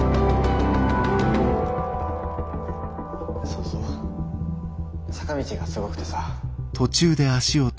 ・そうそう坂道がすごくてさ。